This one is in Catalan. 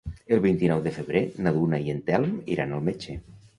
El vint-i-nou de febrer na Duna i en Telm iran al metge.